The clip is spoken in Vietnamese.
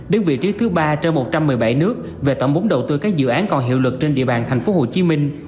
đến vị trí thứ ba trên một trăm một mươi bảy nước về tổng vốn đầu tư các dự án còn hiệu lực trên địa bàn tp hcm